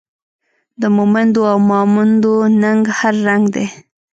د مومندو او ماموندو ننګ هر رنګ دی